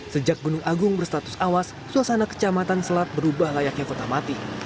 sejak gunung agung berstatus awas suasana kecamatan selat berubah layaknya kota mati